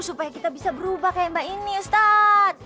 supaya kita bisa berubah kayak mbak ini ustadz